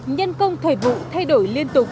nhân công thời vụ thay đổi